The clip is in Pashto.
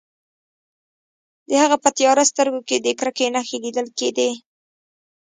د هغه په تیاره سترګو کې د کرکې نښې لیدل کیدې